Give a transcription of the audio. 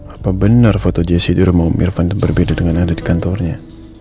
apa benar foto jesse di rumah om irvan berbeda dengan yang ada di kantornya